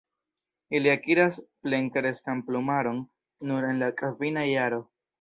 Ili akiras plenkreskan plumaron nur en la kvina jaro.